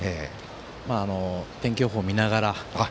天気予報を見ながら。